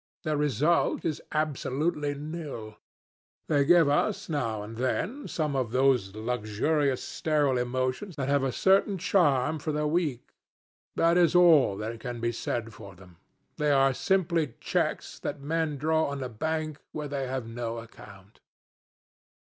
Their result is absolutely nil. They give us, now and then, some of those luxurious sterile emotions that have a certain charm for the weak. That is all that can be said for them. They are simply cheques that men draw on a bank where they have no account."